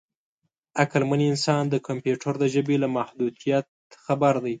عقلمن انسان د کمپیوټر د ژبې له محدودیت خبر دی.